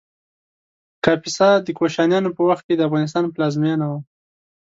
کاپیسا د کوشانیانو په وخت کې د افغانستان پلازمېنه وه